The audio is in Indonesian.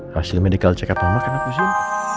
hasil medical check up mama kenapa sih